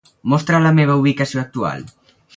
Mostra la meva ubicació actual.